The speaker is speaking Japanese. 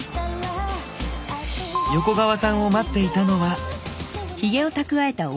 横川さんを待っていたのは。